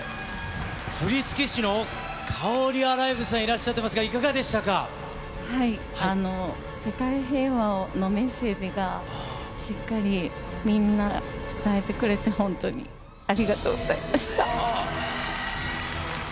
振付師のＫＡＯＲＩａｌｉｖｅさん、いらっしゃってますが、はい、世界平和のメッセージがしっかりみんな、伝えてくれて本当にありがとうございました。